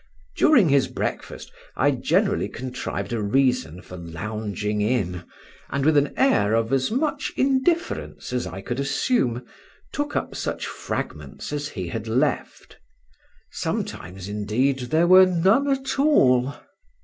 During his breakfast I generally contrived a reason for lounging in, and, with an air of as much indifference as I could assume, took up such fragments as he had left; sometimes, indeed, there were none at all.